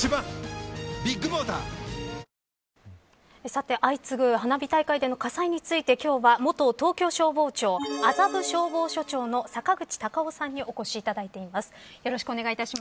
さて、相次ぐ花火大会での火災について今日は元東京消防庁麻布消防署長の坂口隆夫さんにお越しいただいています。